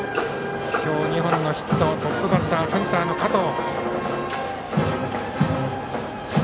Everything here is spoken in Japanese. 今日２本のヒットトップバッター、センターの加藤。